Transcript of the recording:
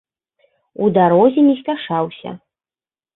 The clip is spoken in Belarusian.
У дарозе не спяшаўся.